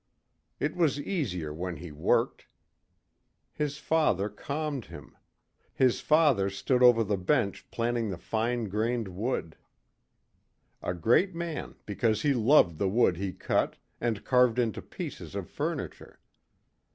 It was easier when he worked. His father calmed him. His father stood over the bench planning the fine grained wood. A great man because he loved the wood he cut and carved into pieces of furniture.